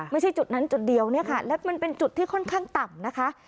ไม่ใช่จุดนั้นจุดเดียวเนี่ยค่ะและมันเป็นจุดที่ค่อนข้างต่ำนะคะ